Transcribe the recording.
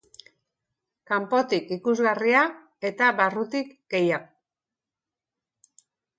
Kanpotik ikusgarria, eta barrutik gehiago.